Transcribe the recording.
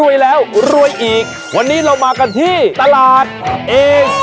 เย้เฮ้